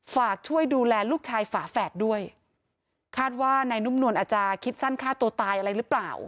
ฝากช่วยดูแลลูกชายฝาแฝดด้วยคาดว่านายนุ่มนวลอาจจะคิดสั้นฆ่าตัวตายอะไรหรือเปล่า